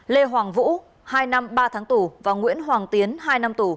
lê hoàng vũ hai năm ba tháng tù và nguyễn hoàng tiến hai năm tù về tội cối gây thương tích